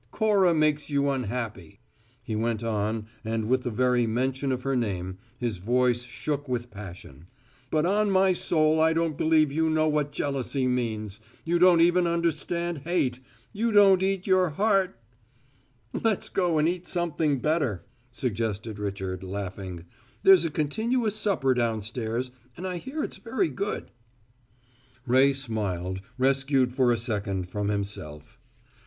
Cora makes you unhappy," he went on, and with the very mention of her name, his voice shook with passion, "but on my soul I don't believe you know what jealousy means: you don't even understand hate; you don't eat your heart " "Let's go and eat something better," suggested Richard, laughing. "There's a continuous supper downstairs and I hear it's very good." Ray smiled, rescued for a second from himself.